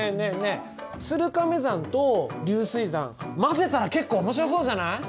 え鶴亀算と流水算混ぜたら結構面白そうじゃない？